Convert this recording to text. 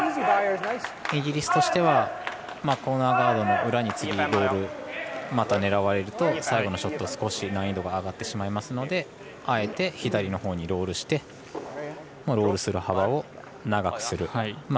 イギリスとしてはコーナーガードの裏につくロールまた狙われると最後のショット、少し難易度が上がってしまいますのであえて、左のほうにロールしてロールする幅を長くする。